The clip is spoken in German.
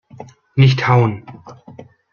Nicht hauen!